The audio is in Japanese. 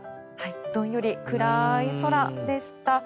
どんより暗い空でした。